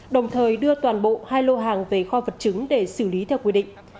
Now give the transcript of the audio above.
đồng thời đưa toàn bộ hai lô hàng về kho vật chứng để xử lý theo quy định